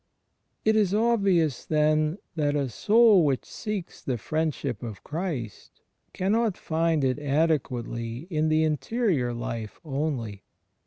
It is obvious, then, that a soul which seeks the Friend ship of Christ cannot find it adequately in the interior life only.